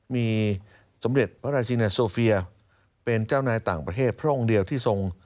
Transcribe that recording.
มีสมเด็จพระราชินีโซเฟียเป็นเจ้านายต่างประเทศพระองค์เดียวที่ทรง